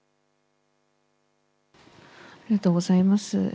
ありがとうございます。